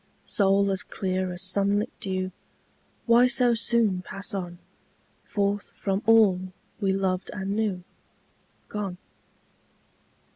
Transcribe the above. Soul as clear as sunlit dew, Why so soon pass on, Forth from all we loved and knew Gone?